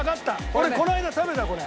俺この間食べたこれ！